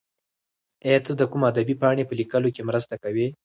ایا ته د کوم ادبي پاڼې په لیکلو کې مرسته کوې؟